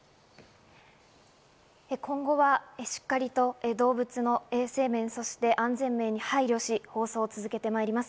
今後はしっかりと動物の衛生面、安全面に配慮し、放送を続けてまいります。